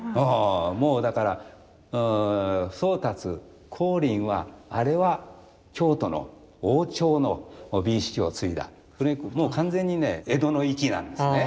もうだから宗達光琳はあれは京都の王朝の美意識を継いだもう完全にね江戸の粋なんですね。